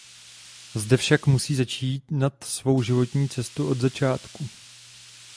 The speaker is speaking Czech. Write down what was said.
Zde však musí začínat svou životní cestu od začátku.